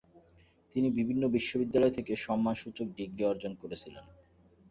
তিনি বিভিন্ন বিশ্ববিদ্যালয় থেকে সম্মানসূচক ডিগ্রী অর্জ্জন করেছিলেন।